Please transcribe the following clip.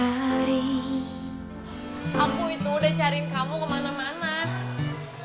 hari aku itu udah cariin kamu kemana mana